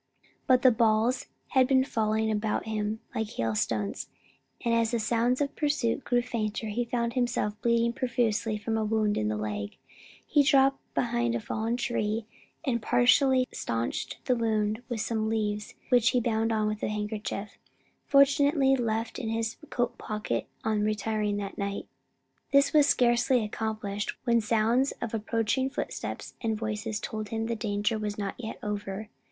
But the balls had been falling about him like hailstones, and as the sounds of pursuit grew fainter, he found himself bleeding profusely from a wound in the leg. He dropped behind a fallen tree, and partially stanched the wound with some leaves which he bound on with a handkerchief, fortunately left in his coat pocket on retiring that night. This was scarcely accomplished, when sounds of approaching footsteps and voices told him the danger was not yet over.